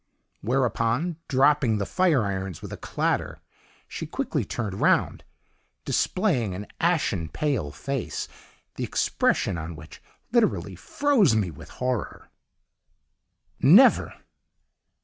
whereupon, dropping the fire irons with a clatter, she quickly turned round, displaying an ashen pale face, the expression on which literally froze me with horror. "Never!